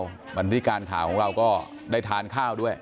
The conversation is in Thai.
วันนี้การข่าวของเราก็ได้ทานข้าวด้วย